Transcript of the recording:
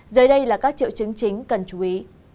dưới đây là các triệu chứng chính cần chú ý